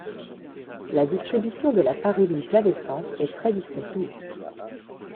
La distribution de la Paruline flavescente est très discontinue.